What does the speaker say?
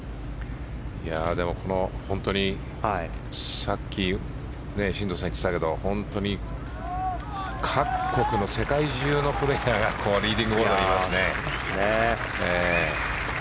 さっき進藤さんが言ってたけど本当に各国の世界中のプレーヤーがリーディングボードにいますね。